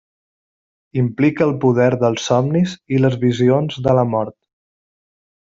Implica el poder dels somnis i les visions de la mort.